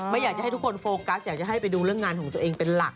อยากจะให้ทุกคนโฟกัสอยากจะให้ไปดูเรื่องงานของตัวเองเป็นหลัก